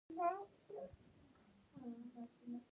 له بیا سلامۍ کولو سره له کوټې ووتل، او لاړل.